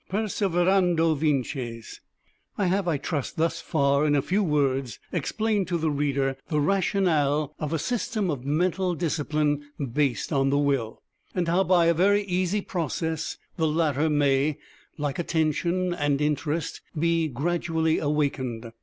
Perseverando vinces. I have, I trust, thus far in a few words explained to the reader the rationale of a system of mental discipline based on the will, and how by a very easy process the latter may, like Attention and Interest, be gradually awakened.